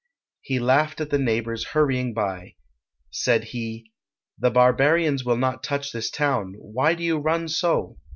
He laughed at the neighbours hurrying by. Said he, "The barbarians will not touch this town; why do you run so?"